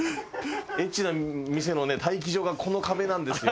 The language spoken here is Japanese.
Ｈな店のね待機所がこの壁なんですよ。